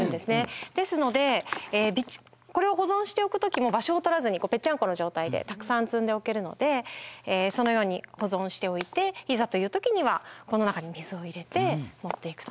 ですのでこれを保存しておく時も場所を取らずにぺちゃんこの状態でたくさん積んでおけるのでそのように保存しておいていざという時にはこの中に水を入れて持っていくと。